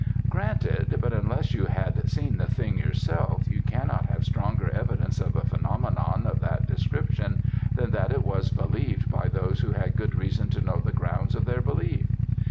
"Granted; but unless you had seen the thing yourself, you cannot have stronger evidence of a phenomenon of that description, than that it was believed by those who had good reason to know the grounds of their belief.